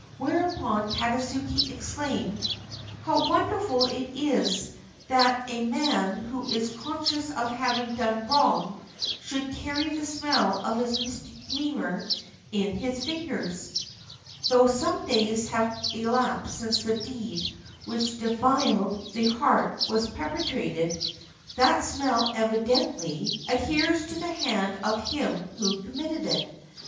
Whereupon Tadasuke exclaimed: — "How wonderful it is that a man who is conscious of having done wrong should carry the smell of his misdemeanor in his fingers! Though some days have elapsed since the deed which defiled the heart was perpetrated, that smell evidently 373 JAPAN adheres to the hand of him who committed it.